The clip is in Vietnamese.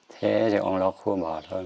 thế thì ông lọc hô bảo thôi